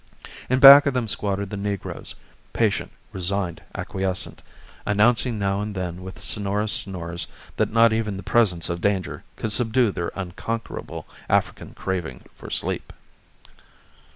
In back of them squatted the negroes, patient, resigned, acquiescent, announcing now and then with sonorous snores that not even the presence of danger could subdue their unconquerable African craving for sleep.